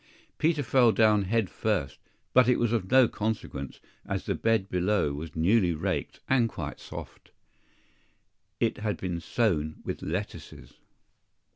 Peter fell down head first; but it was of no consequence, as the bed below was newly raked and quite soft. IT had been sown with lettuces.